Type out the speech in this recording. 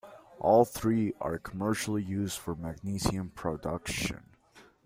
All three are commercially used for magnesium production.